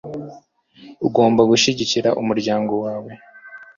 ugomba gushigikira umuryango wawe